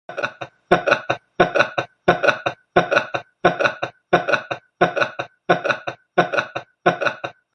Otherwise, executive authority lies with the supervisor, and various committees.